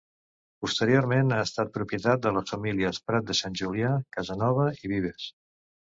Posteriorment ha estat propietat de les famílies Prat de Sant Julià, Casanova i Vives.